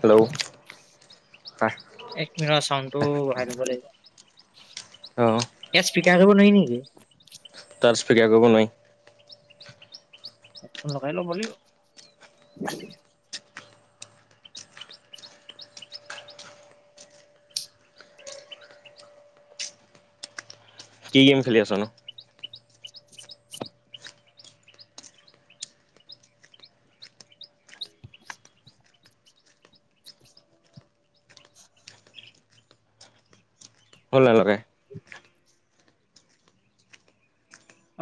Hello অ এক minute ৰ চাউণ্ডটো বঢ়াই দিব লাগিব। অ'। ইয়াত স্পীকাৰ কৰিব নোৱাৰি নেকি? তাত স্পীকাৰ কৰিব নোৱাৰি। হেডফোন লগাই লব লাগিব। কি গেম খেলি আছ নো? [inaudible] হ'ল নাই লগাই?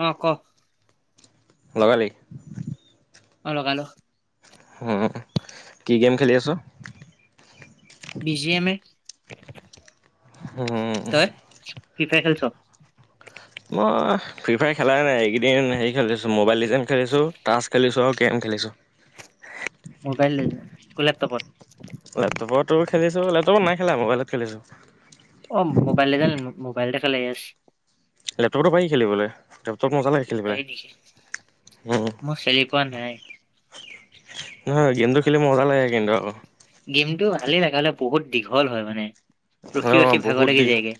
অ', ক। লগালি। অ' লগালোঁ। হুম। কি গেম খেলি আছ? বিজি এম আই তই ফ্ৰীফাইয়াৰ খেলিছ? মই ফ্ৰী ফায়াৰ খেলাই নাই এইকেইদিন হেৰি খেলিছোঁ ম'বাইল লিজেণ্ড খেলিছোঁ টাচ খেলিছোঁ আৰু কেৰম খেলিছোঁ। মোবাইল লিজেণ্ড কত লেপটপত? লেপটপতো খেলিছো লেপটপত নাই খেলা মোবাইলত খেলিছো। অ', মোবাইল লিজেণ্ড মোবাইলতে খেলে য়েচ। লেপটপটো পাৰি খেলিবলৈ লেপটপ মজা লাগে খেলিব পাৰি নেকি? পেলাই উম। মই খেলি পোৱা নাই। নহয় গেমটো খেলি মজা লাগে কিন্তু আকৌ। গেমটো ভালেই লাগে হ'লে বহুত দীঘল হয় মানে ৰখি- অ ৰখি ভাগৰ বহুত লাগি যায়গে।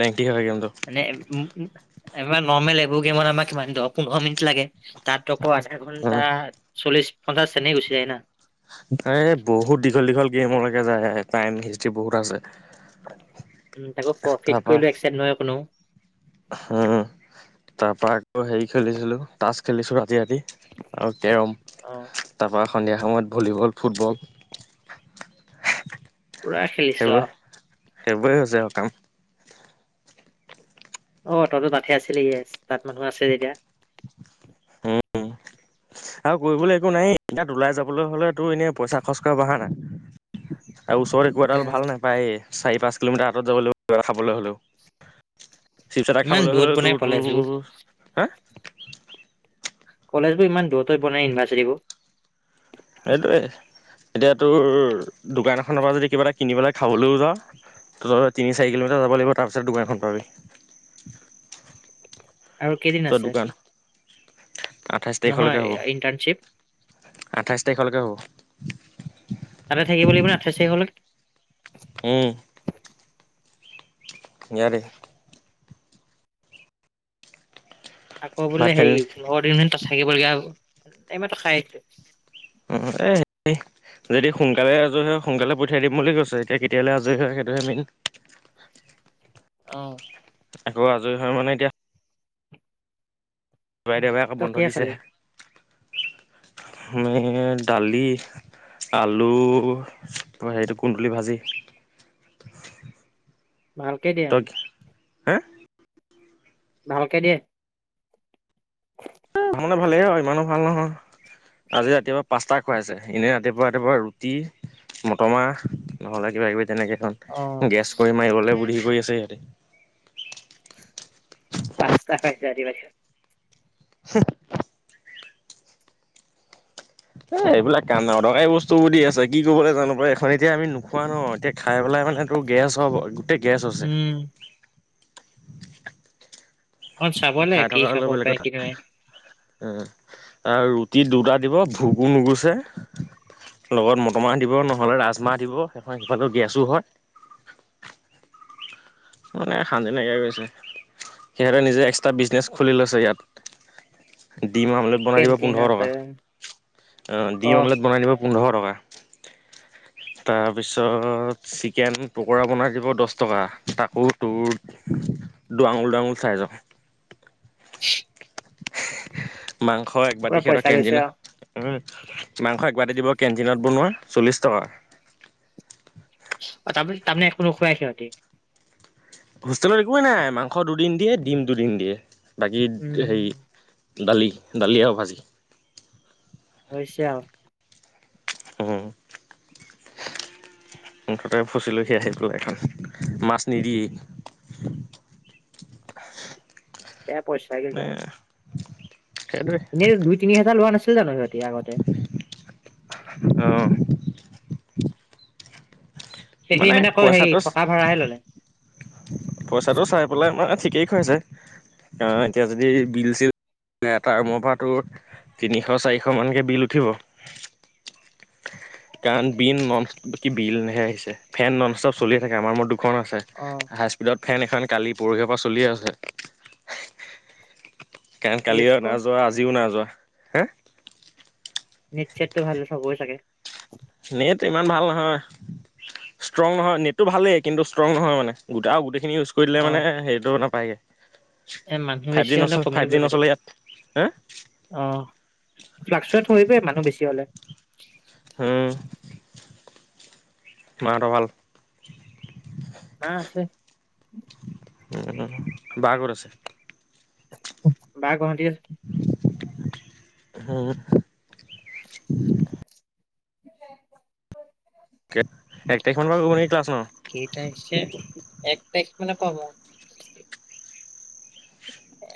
লেঙঠী হয় গেম টো। নে ম ম আমাৰ নৰ্মেল এইবোৰ গেমত আমাক কিমান দহ পোন্ধৰ মিনিট লাগে। তাত আকৌ আধা উম ঘন্টা চল্লিশ-পঞ্চাশ এনেকে গুচি যায় না। এই বহুত দীঘল-দীঘল গেমলৈকে যায় টাইম হিষ্টৰী বহুত আছে। উম তাকো প্ৰফিট কৰিকেও এক চেইড নহয় কোনো। হম। তাৰ পৰা আকৌ হেৰি খেলিছিলো তাছ খেলিছো ৰাতি-ৰাতি আৰু কেৰম। অ' তাৰপৰা সন্ধিয়া সময়ত ভলীবল, ফুটবল। পুৰা খেলিছ সেইবোৰে আও। সেইবোৰে হৈছে আৰু কাম। অ তইটো তাতহে আছিলি ইয়েছ তাত মানুহ আছে যেতিয়া। উম আৰু কৰিবলে একো নায়ে ইয়াত ওলাই যাবলৈ হ'লে তোৰ ইনেয়ে পইচা খৰচ কৰা বাহানা। আৰু ওচৰত একো এডাল উম। ভাল নেপায়ে। চাৰি পাঁচ কিলোমিটাৰ আঁতৰত যাব লাগিব কিবা এটা খাবলৈ হ'লেও। চিপচ এটা ইমান খাবলৈ দূৰত হ'লেও তোৰ বনাই কলেজবোৰ তোৰ, হে? কলেজবোৰ ইমান দূৰত দূৰত বনাই ইউনিভাৰ্চিটিবোৰ। সেইটোৱে, এতিয়া তোৰ দোকান এখনৰ পৰা যদি কিবা এটা কিনি পেলাই খাবলৈও যাৱ তই তিনি চাৰি কিলোমিটাৰ যাব লাগিব তাৰপিছত দোকানখন পাবি। আৰু কেইদিন তই আছে? দোকান আঠাইছ নহয় তাৰিখলৈকে হ'ব। ইণ্টাৰ্ণশ্বিপ আঠাইছ তাৰিখলৈকে হ'ব। তাতে থাকিব লাগিব না আঠাইছ তাৰিখলৈ? উম। ইয়াতে। আকৌ ভাত বোলে খালি হেৰী পোন্ধৰ দিন মান তাত থাকিব লগীয়া হ'ব? এই মাত্ৰ খাই উঠিছো। উম এ সেই যদি সোনকালে আজৰি হয় সোনকালে পঠিয়াই দিম বুলি কৈছে। এতিয়া কেতিয়ালে আজৰি হয় সেইটোহে মেইন। অহ। আকৌ আজৰি হয় মানে এতিয়া দেওবাই দেওবাই আকৌ তই বন্ধ কিহে দিছে। খালি আমি দালি আলু তাপা হেৰীটো কুন্দুলি ভাজি। ভালকে দিয়ে? তই হে ভালকে দিয়ে? [unintelligible] মানে ভালেই আৰু ইমানো ভাল নহয়। আজি ৰাতিপুৱা পাস্তা খুৱাইছে। এনেই ৰাতিপুৱা ৰাতিপুৱা ৰুটি মটৰ মাহ নহ'লে কিবা কিবি তেনেকে অ। খাওঁ গেছ কৰি মাৰিবলে বুদ্ধি কৰি আছে সিহঁতে। পাস্তা খাইছা ৰাতিপুৱা হোঁ। এ এইবিলাক কাম নাই অদৰকাৰী বস্তুবোৰ দি আছে। কি কৰিবলৈ জানো পায় এখন এতিয়া আমি নোখোৱা ন' এতিয়া খাই পেলাই মানে তো গেছ হ'ব, গোটেই গেছ আছে। উম। অ চাব লাগে কথাই কি থকা খাব হ'লেও বেলেগ পাৰে কথা। কি নোৱাৰে উম আৰু ৰুটি দুটা দিব ভোকো নোগুছে। লগত মটৰ মাহ দিব নহ'লে ৰাজমাহ দিব, সেইখন সিফালেও গেছো হয়। মানে শান্তি নাইকিয়া কৰিছে। তই নিজে এক্সট্ৰা বিজনেছ খুলি লৈছে ইয়াত, দিম অমলেত বনাই দিব পোন্ধৰ কেণ্টিনত টকা, অ দিম অমলেট বনাই দিব পোন্ধৰ টকা। তাৰপিছত চিকেন পকোৰা বনাই দিব দছ টকা তাকো তোৰ দুআঙুল দুআঙুল ছাইজৰ। [unintelligible] মাংস পুৰা একবাতি সিহঁতৰ পইচা গৈছে কেনতিনৰ আৰু। উম, মাংস একবাতি দিব কেনতিনত বনোৱা চল্লিশ টকা। অ, তামা তামানে একো নোখোৱাই সিহঁতি। হোষ্টেলত একোৱে নাই। মাংস দুদিন দিয়ে, ডিম দুদিন দিয়ে বাকী উম হেৰী দালি, দালি আৰু ভাজি। হৈছে আৱ। উম। মুঠতে ফচিলোঁ হি আহি পেলাই এই এখন মাছ নিদিয়েই। বেয়া পইচাকে এ যোৱা। সেইটোৱে এনেই দুই তিনি হাজাৰ লোৱা নাছিল জানো সিহঁতি আগতে? অ'। সেইখিনি মানে অকল হেৰি থকা ভাড়াহে ল'লে। পইচাটো চাই পেলাই মানে ঠিকেই খুৱাইছে। আ এতিয়া যদি বিল চিল এটা ৰোমৰ পৰা তোৰ। তিনিশ চাৰিশ মানকে বিল উঠিব। [unintelligible] কাৰণ বিন ননস্ত কি বিলহে আহিছে ফেন নন ষ্টপ চলিয়ে থাকে, আমাৰ ৰুমত দুখন আছে। অ'। হাই স্পীডত ফেন এখন কালি পৰহীঅ পৰা চলিয়ে আছে। কাৰেণ ইউজ কালিও ক নাই যোৱা আজিও নাই যোৱা। হে নেত ছেট টো ভালে চবৰে চাগে? নেট ইমান ভাল নহয়। ষ্ট্ৰং নহয় নেটটো ভালেই, কিন্তু ষ্ট্ৰং নহয় মানে গোটা গোটেইখিনি ইউজ কৰিদিলে অ মানে হেৰিটো নাপায়গে। এ মানুহ বেছি হ'লে জি কমিবই সেইটো। নচলে ইয়াত হে অ', ফ্লাকসুৱেত হৈয়ে যায় মানুহ বেছি হলে। ওম', মা হঁতৰ ভাল? মা আছে। উম, বা ক'ত আছে? বা গুৱাহাটীত আছে। হম'। [unintelligible] কে এক তাৰিখ মানৰ পৰা কৰিব নেকি ক্লাছ ন? কেইটা এছে এক তাৰিখ মানৰ পৰা হব অ'।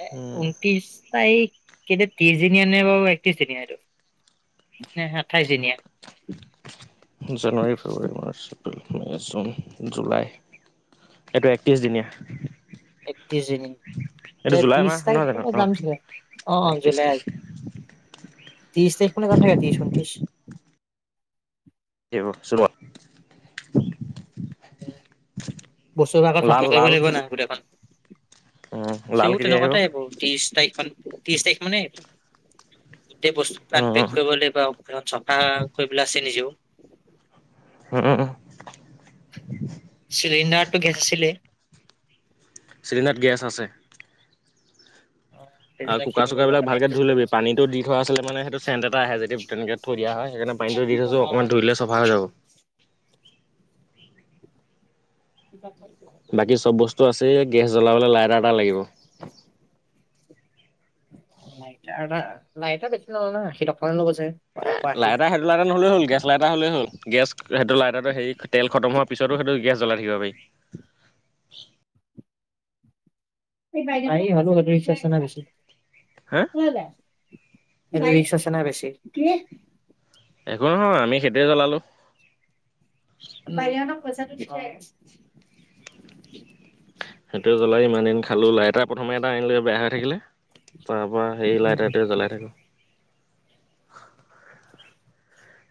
এ ঊনত্ৰিশ তাৰিখ কিন্তু ত্ৰিশ দিনিয়া নে বাৰু একত্ৰিশ দিনিয়া এইটো? নে আঠাইছ দিনীয়া? জানুৱাৰী, ফেব্ৰুৱাৰী, মাৰ্চ। এপ্ৰিল, মে, জুন, জুলাই এইটো একত্ৰিছদিনীয়া। একতিশ দিনীয়া নে জুলাই মাহ ত্ৰিশ তাৰিখ নহয় জানো মানে অ যামচাগে অ', অ', একত্ৰিছ জুলাই তাৰিখ আ ত্ৰিশ তাৰিখ মানে যাম চাগে, ত্ৰিশ ঊনত্ৰিশ। [unintelligible] বস্তু আগত চাফা লাল কৰিব লাল লাগিব না গোটেইখন। লাল সিও কেতিয়া তেনেকুৱাতেই আহিব ত্ৰিশ তাৰিখ মানে ত্ৰিশ তাৰিখ মানেই আহিব। গোটেই বস্তু বোৰ আনপেক কৰিব লাগিব, আৰু গোটেইখন চফা কৰিবলে আছে নিজেও। উম উম উম। চিলিণ্ডাৰতটো গেছ আছিলেই? চিলিণ্ডাৰত গেছ আছে। অহ'। আৰু কুকাৰ চুকাৰ বিলাক ভালকে ধুই লবি পানীটো দি থোৱা আছিলে মানে সেইটো চেন্ট এটা যদি তেনেকে থৈ দিয়া হয়, সেইকাৰণে পানীটো দি থৈছো, অ অকণমান ধুই দিলে চফা হৈ যাব। [unintelligible] বাকী চব বস্তু আছেই গেছ জ্বলাবলৈ লাইটাৰ এটা লাগিব। লাইটাৰ এটা, লাইটাৰ বেছি নলয় ন আশী টকা মান হে ল'ব চাগে। এ এশ আশী। লাইটাৰ হে। লাইটাৰ নহলেও হল গেছ লাইটাৰ হ'লে হ'ল গেছ সেইটো লাইটাৰটো হেৰি তেল খতম হোৱাৰ পিছতো সেইটো গেছ জ্বলাই থাকিব পাৰি। পাৰি হলেও সেইটো ৰীস্ক আছে না বেছি হা ও বাই। ৰিস্ক আছে না বেছি, কি? একো নহয় আমি সেইটোৱে জ্বলালোঁ। বাৰি হতক পইচা টো দি থৈ আহ গে। সেইটোৱে জ্বলাইয়ে ইমান দিন খালো লাইটাৰ প্ৰথমে এটা আনিলো বেয়া হৈ থাকিলে তাৰ পৰা সেই লাইটাৰ টোৱে জ্বলাই থাকো।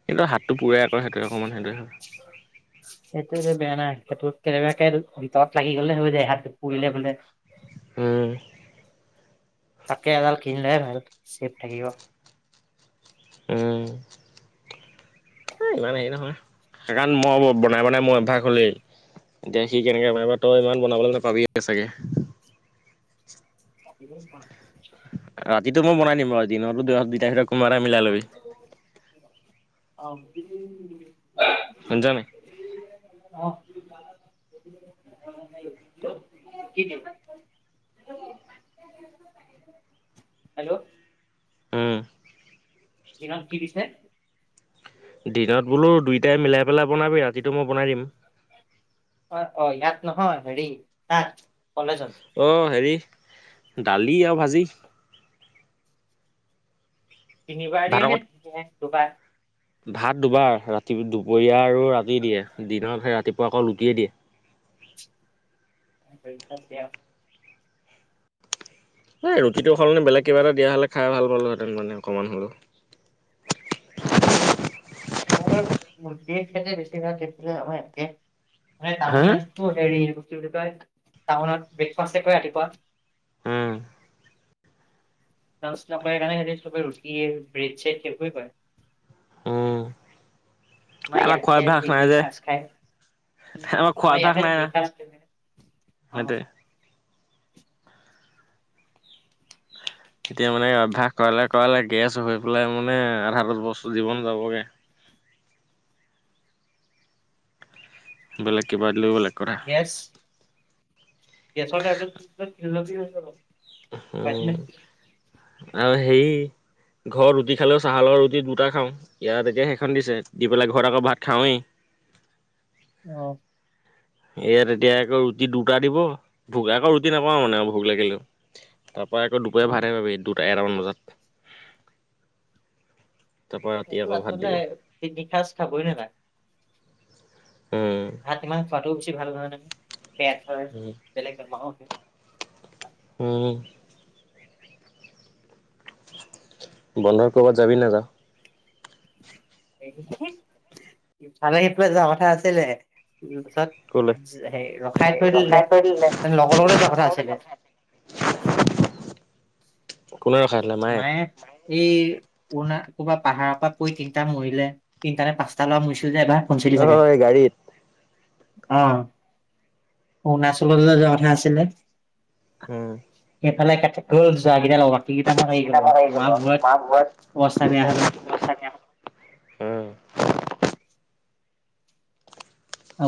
কিন্তু হাতটো পুৰে আকৌ সেইটোৱে অকণমান সেইটোৱে হয়। সেইটোৱেটো বেয়া না সেইটো কেনেবাকে ভিতৰত লাগি গ'লে হৈ যায় হাত পুৰিলে বোলে। উম। তাতকে এডাল কিনি লুৱাই ভাল চেফ থাকিব। উম। আ ইমান হেৰি নহয় সেইকাৰণ মই বনাই- বনাই মোৰ অভ্যাস হ'লই। এতিয়া সি কেনেকে বনাইবা তই ইমান বনাবলে নোপাবিয়ে চাগে। [unintelligible] ৰাতিটো মই বনাই দিম বাৰু, দিনৰতো তহঁত দুটাৰ ভিতৰত কোনোবা এটাই মিলাই ল'বি। অ' [unintelligible] শুনিছ নাই? অহ'। [unintelligible] কি দিম [unintelligible] হেল্ল'। উম দিনত কি দিছে দিনত বোলো দুইটাই মিলাই পেলাই বনাবি ৰাতিটো মই বনাই দিম। অ', অ', ইয়াত নহয় হেৰি তাত কলেজত। অ', হেৰি দালি আৰু ভাজি। তিনিবাৰ দিয় ভাতৰ নে, লগত নে দুবাৰ? ভাত দুবাৰ ৰাতি দুপৰীয়া আৰু ৰাতি দিয়ে দিনৰ ৰাতিপুৱা আকৌ ৰুটিয়ে দিয়ে। [unintelligible] এই ৰুতিটো সলনি বেলেগ কিবা এটা দিয়া হলে খাই ভাল পালোঁহেঁতেন মানে অকমান হ'লেও। সিহঁতৰ ৰুতিয়ে খাইনে বেছিভাগ ক্ষেত্ৰত আমাৰ এনকে মানে হা টাউনীয়া হেৰি, কি বুলি কয়, টাউনত ব্ৰেকফাষ্ট কৰে ৰাতিপুৱা। উম লান্সৰ কাৰণে সিহঁতি ৰুটি এই ব্ৰেড-ছেদ সেইবোৰে কৰে। উম। আমাৰ খোৱা অভ্যাস ইয়াত নাই যে হে তিনি সাজ খায় আমাৰ ইয়াত হে তিনি সাজ খা হয় দে। এতিয়া মানে অভ্যাস কৰালে কৰালে গেছ হৈ পেলাই মানে আধা দহ বস্তু জীৱন যাবগৈ। বেলেগ কিবা দিলও বেলেগ কথা। ইয়েছ। গেছ ৰ টেবলেট চেবলেট কিনি লবি হৈ যাব। পাইছিলে। উম, আৰু হেই- ঘৰত ৰুটি খালেও চাহৰ ৰুটি দুটা খাওঁ ইয়াত এতিয়া সেইখন দিছে দি পেলাই ঘৰত আকৌ ভাত খাওঁৱেই। অ'। ইয়াত এতিয়া আকৌ ৰুটি দুটা দিব ভোক আকৌ ৰুটি নাপাওঁ মানে ভোক লাগিলেও। তাৰ পৰা আকৌ দুপৰীয়া উম, ভাতহে পাবি দুটা এটামান বজাত। তাৰপৰা ৰাতি এইটো আকৌ ভাত আচলতে দিব। তিনিসাঁজ খাবই নেলাগে। উম। ভাত ইমান খোৱাটোও বেছি ভাল নহয়। পেট হয়, উম। বেলেগ বেমাৰো আহে। উম। বন্ধত ক'ৰবাত যাবি নাযাওঁ? ফালে সিফালে যোৱা কথা আছিলে, কিন্তু তাত ক'লে? সেই ৰখাই থৈ দিলে, লগৰ লগতে যোৱাৰ কথা আছিলে। কোনে ৰখাই থ'লে মায়ে এই অৰুণাত কৰ'বাত পাহাৰৰ পৰা পৰি তিনিটা মৰিলে, তিনিটা নে পাঁচটা ল'ৰা মৰিছিল যে এবাৰ। শুনছিলি চাগে? নহয় গাড়ীত। অ' অৰুণাচললে যে যোৱা কথা আছিলে। উম' এফালে কাতিকৈ যোৱা কিটা লগত কি এতিয়া আমাৰ আহি গ'লো আৰু মা অৱস্থা বেয়া হ'ল বত [unintelligible] উম।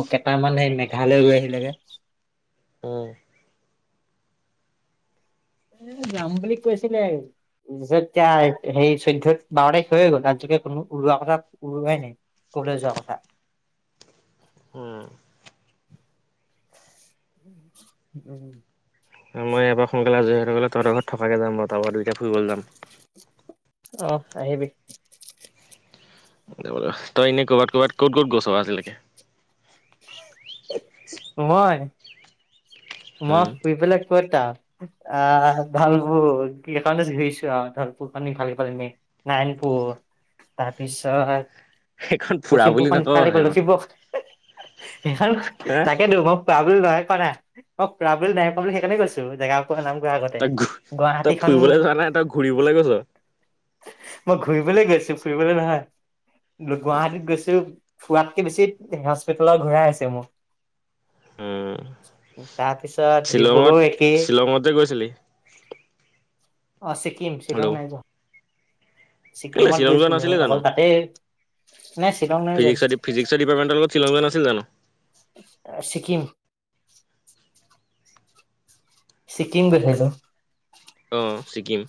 অকে। অকে, উম। এ যাম বুলি কৈছিলেই। তাৰ পিছত এতিয়া সেই চৈধ্য বাৰ তাৰিখ হৈয়ে গ'ল আজিলৈকে কোনো ওলোৱা কথা কোৱাই নাই। ক'লে যোৱা কথা? উম' উম। মই এইবাৰ সোনকালে আজৰি হৈ গ'লে তহঁতৰ ঘৰত থকাকে যাম বাৰু। তাপা দুইটা ফুৰিবলৈ যাম। অ'হ আহিবি। তই এনেই ক'ৰবাত'-ক'ৰবাত, ক'ত-ক'ত গৈছ আজিলৈকে? মই, মই উম, শুই পেলাই কতা। আহ, ভালপু কিখন ঘৰিছো আহ ধালপুৰ ইফালে ভাল পাল মে [unintelligible] নাৰায়ণপুৰ তাৰপিছত সেইখন ফুৰা বুলি লখিমপুৰখন নকওঁ ইফালে গ'ল সেইখন লক্ষীপুৰ সেই খন হা তাকেইতো মোক ট্ৰাব'ল নাই কোৱা নাই অ' ট্ৰাব'ল নাই পোৱা বুলি সেইকাৰণে কৈছো জেগাকনৰ নাম কোৱাৰ আগত। তাক, তই ফুৰিবলৈ যোৱা নাই তই ঘূৰিবলৈ গৈছ। মই ঘুৰিবলৈ গৈছো। ফুৰিবলৈ নহয় গুৱাহাটীত গৈছোঁ। থোৱাতকে বেছি হস্পিতেলত ঘূৰাই আছে উম, মোক। তাৰপিছত শ্বিলঙত ডিব্ৰুগড় একে শ্বিলঙত যে গৈছিলি অ' ছিক্কিম, হেল্ল' শ্বিলং নাই যোৱা। কেলে ছিককিমত শ্বিলং যোৱা গৈছিলো, নাছিলি অকল জানো? তাতেই নে, শ্বিলং নাই যোৱা ফিজিকছৰ ডিৰ্পামেণ্টৰ লগত শ্বিলং যোৱা নাছিল জানো। ছিক্কিম ছিক্কিম গৈছিলোঁ। অ' ছিক্কিম।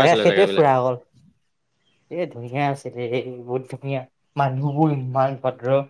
তাকে সেইটোৱে ফুৰা গ'ল। এ ধুনীয়া আছিলে, এই বহুত ধুনীয়া মানুহবোৰ ইমান ভদ্ৰ।